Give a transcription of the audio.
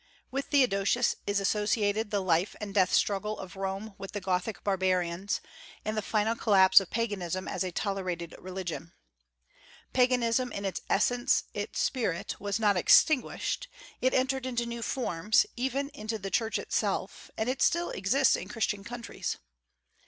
With Theodosius is associated the life and death struggle of Rome with the Gothic barbarians, and the final collapse of Paganism as a tolerated religion. Paganism in its essence, its spirit, was not extinguished; it entered into new forms, even into the Church itself; and it still exists in Christian countries.